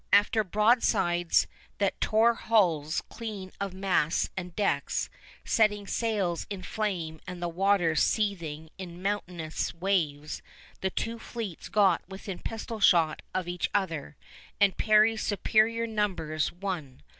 After broadsides that tore hulls clean of masts and decks, setting sails in flame and the waters seething in mountainous waves, the two fleets got within pistol shot of each other, and Perry's superior numbers won.